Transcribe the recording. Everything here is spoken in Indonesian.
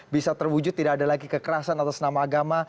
bisa terwujud tidak ada lagi kekerasan atau senama agama